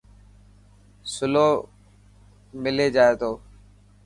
سولو ملي جائي تو.